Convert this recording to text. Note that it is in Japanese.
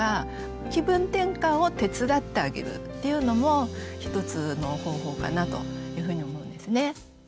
気分転換を手伝ってあげるっていうのも一つの方法かなというふうに思うんですね。